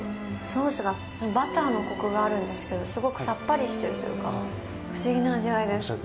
ソースがバターのコクがあるんですけどすごくさっぱりしているというか不思議な味わいです。